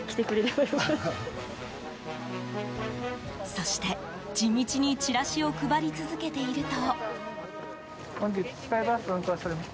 そして地道にチラシを配り続けていると。